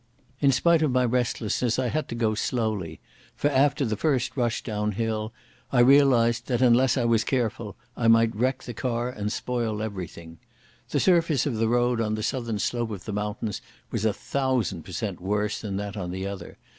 In spite of my restlessness I had to go slowly, for after the first rush downhill I realised that, unless I was careful, I might wreck the car and spoil everything. The surface of the road on the southern slope of the mountains was a thousand per cent worse than that on the other.